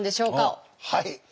はい。